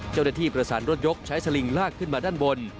เจ้าหน้าที่ประสานรถยกใช้สลิงลากขึ้นมาด้านบน